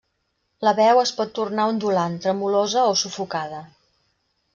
La veu es pot tornar ondulant, tremolosa o sufocada.